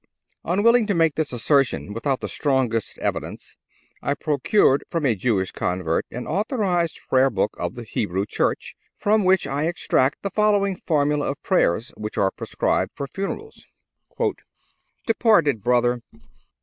Unwilling to make this assertion without the strongest evidence, I procured from a Jewish convert an authorized Prayer Book of the Hebrew church, from which I extract the following formula of prayers which are prescribed for funerals: "Departed brother!